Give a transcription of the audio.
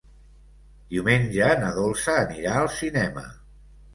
Diumenge na Dolça anirà al cinema.